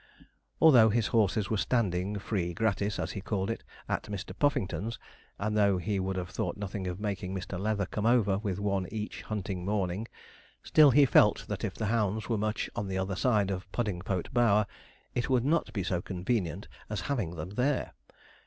Although his horses were standing 'free gratis,' as he called it, at Mr. Puffington's, and though he would have thought nothing of making Mr. Leather come over with one each hunting morning, still he felt that if the hounds were much on the other side of Puddingpote Bower, it would not be so convenient as having them there.